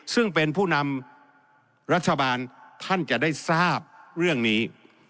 ซึ่งเป็นผู้นำรัฐบาลท่านจะได้ทราบเรื่องนี้